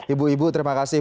ibu ibu terima kasih